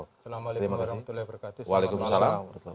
selamat malam walaikum salam